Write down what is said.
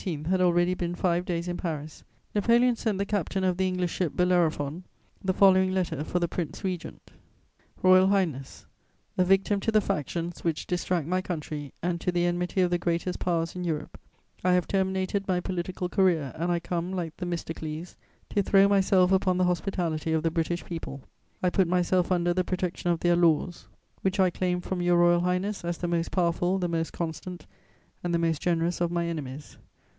had already been five days in Paris, Napoleon sent the captain of the English ship Bellerophon the following letter for the Prince Regent: "ROYAL HIGHNESS, "A victim to the factions which distract my country and to the enmity of the greatest powers in Europe, I have terminated my political career, and I come, like Themistocles, to throw myself upon the hospitality of the British people. I put myself under the protection of their laws; which I claim from Your Royal Highness as the most powerful, the most constant and the most generous of my enemies.